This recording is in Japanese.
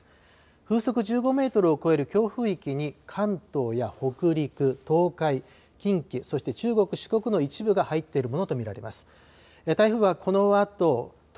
風速１５メートルを超える強風域に関東や北陸、東海、近畿、そして中国、四国の一部が入っているものと見られます。